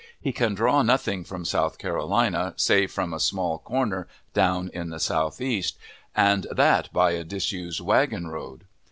He can draw nothing from South Carolina, save from a small corner down in the southeast, and that by a disused wagon road.